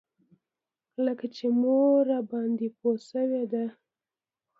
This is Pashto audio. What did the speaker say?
لکه چې مور راباندې پوه شوې ده.